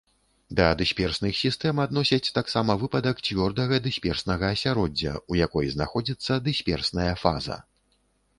Да дысперсных сістэм адносяць таксама выпадак цвёрдага дысперснага асяроддзя, у якой знаходзіцца дысперсная фаза.